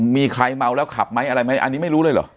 มีใครเมาแล้วขับไหมอะไรไหมอันนี้ไม่รู้เลยเหรอ